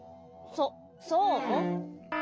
そそう？